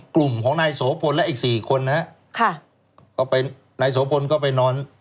กลุ่มของนายโสพลและอีกสี่คนนะฮะค่ะก็ไปนายโสพลก็ไปนอน